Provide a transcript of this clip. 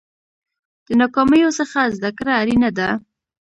د ناکامیو څخه زده کړه اړینه ده.